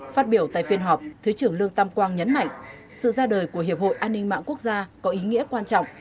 phát biểu tại phiên họp thứ trưởng lương tam quang nhấn mạnh sự ra đời của hiệp hội an ninh mạng quốc gia có ý nghĩa quan trọng